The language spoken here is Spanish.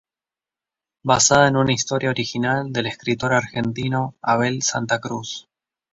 Basada en una historia original del escritor argentino Abel Santa Cruz.